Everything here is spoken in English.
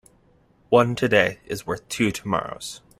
One today is worth two tomorrows.